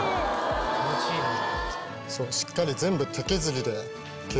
気持ちいいなぁ。